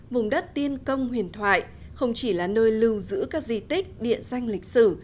vùng đất tiên công huyền thoại không chỉ là nơi lưu giữ các di tích địa danh lịch sử